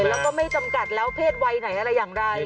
แล้วก็ไม่จำกัดแล้วเพศวัยไหนอะไรอย่างไร